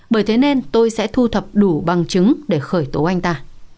bởi thế nên tôi sẽ thu thập đủ bằng chứng để khởi tố anh ta